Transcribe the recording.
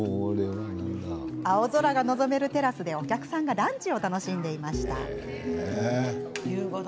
青空が望めるテラスでお客さんがランチを楽しんでいました。